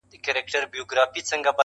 • په عمر کشر، په عقل مشر -